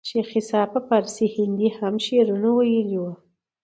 شېخ عیسي په پاړسي هندي هم شعرونه ویلي وو.